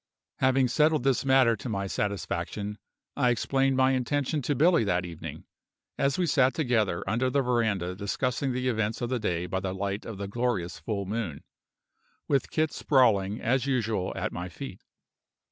Having settled this matter to my satisfaction, I explained my intention to Billy that evening, as we sat together under the veranda discussing the events of the day by the light of a glorious full moon, with Kit sprawling as usual at my feet.